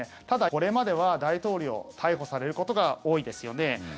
ただ、これまでは大統領逮捕されることが多いですよね。